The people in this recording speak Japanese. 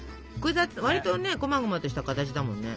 わりとねこまごまとした形だもんね。